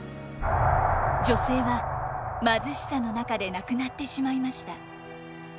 女性は貧しさの中で亡くなってしまいました。